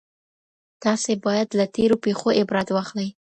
تاسې باید له تیرو پیښو عبرت واخلئ.